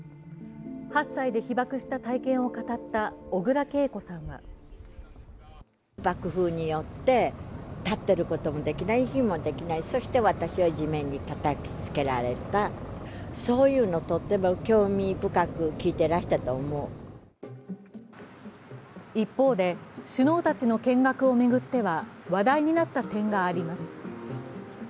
８歳で被爆した体験を語った小倉桂子さんは一方で、首脳たちの見学を巡っては話題になった点があります。